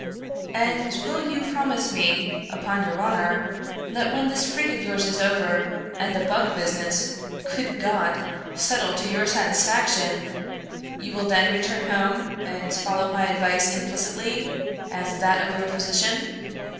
" And will you promise me, upon your honor, that when this freak of yours is over, and the bug business (good God!) settled to your satisfaction, you will then return home and follow my advice implicitly, as that of your physician